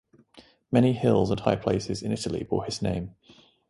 Many hills and high places in Italy bore his name.